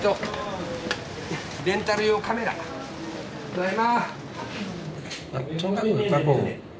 ただいま。